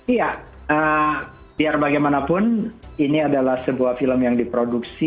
iya biar bagaimanapun ini adalah sebuah film yang diproduksi